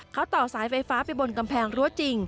เขาต่อสายไฟฟ้าไปบนกำแพงรั้วจริง